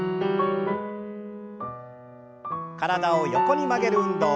体を横に曲げる運動。